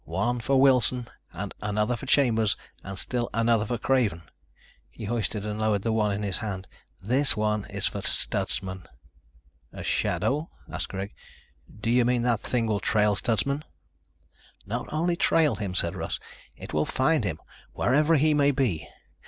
One for Wilson and another for Chambers and still another for Craven." He hoisted and lowered the one in his hand. "This one is for Stutsman." "A shadow?" asked Greg. "Do you mean that thing will trail Stutsman?" "Not only trail him," said Russ. "It will find him, wherever he may be.